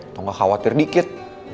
atau gak khawatir dikit